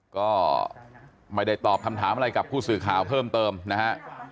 ก็ไม่ได้ตอบคำถามอะไรกับผู้สื่อข่าวเพิ่มเติมนะฮะ